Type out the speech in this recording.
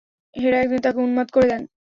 হেরা একদিন তাকে উন্মাদ করে দেন।